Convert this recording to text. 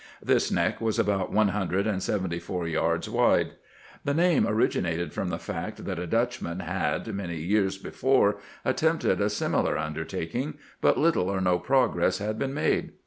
This neck was about one hundred and seventy four yards wide. The name orig inated from the fact that a Dutchman had many years before attempted a similar undertaking, but little or no progress had been made.